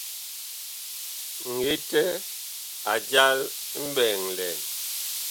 Ŋetɛ a jal mɓɛɛŋ lɛn.